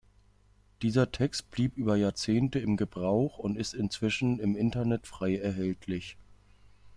Dieser Text blieb über Jahrzehnte im Gebrauch und ist inzwischen im Internet frei erhältlich.